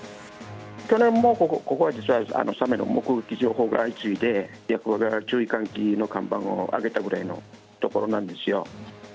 去年もここは実は、サメの目撃情報が相次いで、役場が注意喚起の看板をあげたぐらいの所なんですよ。